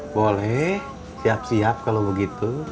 boleh siap siap kalau begitu